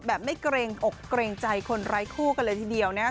ไม่เกรงอกเกรงใจคนไร้คู่กันเลยทีเดียวนะครับ